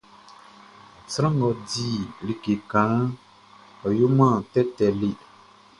Sran ngʼɔ di like kanʼn, ɔ yoman tɛtɛ le.